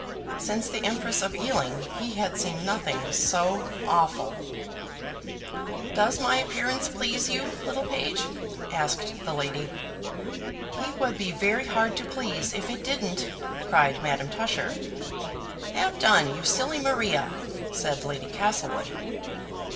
Since the Empress of Ealing, he had seen nothing so awful. "Does my appearance please you, little page?" asked the lady. "He would be very hard to please if it didn't," cried Madame Tusher. "Have done, you silly Maria," said Lady Castlewood.